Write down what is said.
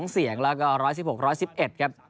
๒เสียงแล้วก็๑๑๖๑๑ครับ